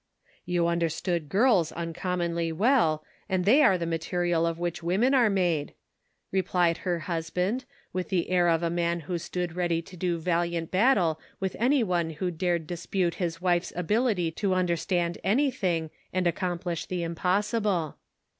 "You understood girls uncommonly well, and they are the material of which women are made," replied her husband, with the air of a man who stood ready to do valiant battle with any one who dared dispute his wife's ability to understand anything, and accomplish the impossible.